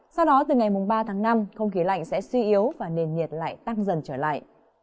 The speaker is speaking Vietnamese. sau đó từ ngày ba tháng năm không khí lạnh sẽ suy yếu và nền nhiệt lại tăng dần trở lại